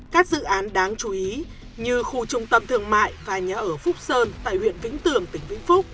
các dự án đáng chú ý như khu trung tâm thương mại và nhà ở phúc sơn tại huyện vĩnh tường tỉnh vĩnh phúc